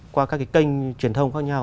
qua các kênh truyền thông khác nhau